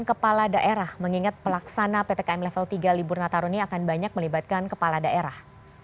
kepala daerah mengingat pelaksana ppkm level tiga libur nataru ini akan banyak melibatkan kepala daerah